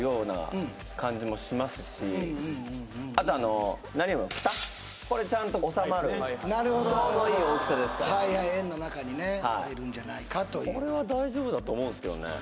あとあの何よりもフタこれちゃんとおさまるなるほどちょうどいい大きさですからはいはい円の中にね入るんじゃないかというこれは大丈夫だと思うんですけどね